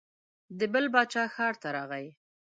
د بل باچا ښار ته راغی.